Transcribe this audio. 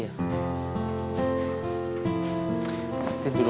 kasih tebak jodoh